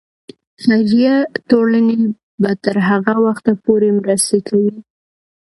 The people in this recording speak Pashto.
خیریه ټولنې به تر هغه وخته پورې مرستې کوي.